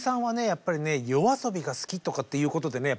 やっぱりねＹＯＡＳＯＢＩが好きとかって言うことでね